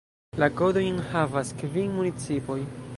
La kodojn havas kvin municipoj.